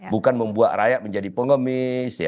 bukan membuat rakyat menjadi pengemis